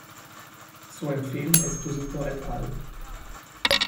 So empfehlen Esposito et al.